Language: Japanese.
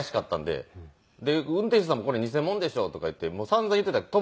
で「運転手さんもこれ偽もんでしょ」とか言って散々言っていたらとぼけるんで。